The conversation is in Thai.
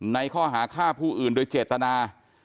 ในข้อหาฆ่าผู้อื่นโดยเจตนา